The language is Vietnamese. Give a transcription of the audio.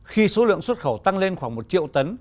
khi số lượng xuất khẩu tăng lên khoảng một triệu tấn